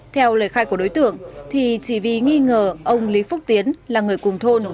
theo lời khai của đối tượng thì chỉ vì nghi ngờ ông lý phúc tiến là người cùng thôn